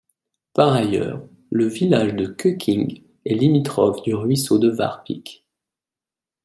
Par ailleurs, le village de Kœking est limitrophe du ruisseau de Warpich.